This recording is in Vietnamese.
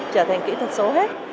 trở thành kỹ thuật số hết